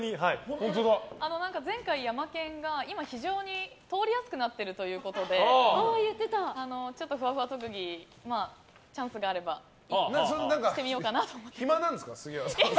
前回、ヤマケンが今、非常に通りやすくなっているということでふわふわ特技、チャンスがあればしてみようかなと思って。